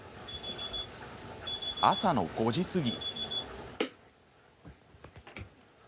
朝の５時過ぎ。